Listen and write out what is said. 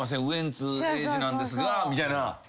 ウエンツ瑛士なんですがみたいな。